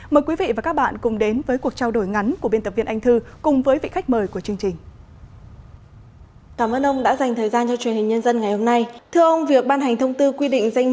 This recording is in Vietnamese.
mời quý vị và các bạn cùng đến với cuộc trao đổi ngắn của biên tập viên anh thư cùng với vị khách mời của chương trình